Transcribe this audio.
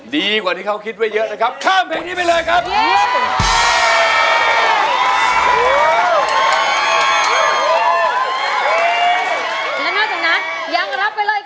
ดีกว่าที่เขาคิดไว้เยอะนะครับข้ามเพลงนี้ไปเลยครับ